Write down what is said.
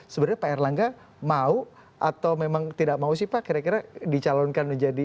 sebenarnya pak erlangga mau atau memang tidak mau sih pak kira kira dicalonkan menjadi